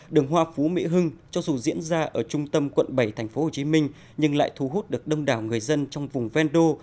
đường hoa phú mỹ hưng cho dù diễn ra ở trung tâm quận bảy tp hcm nhưng lại thu hút được đông đảo người dân trong vùng ven đô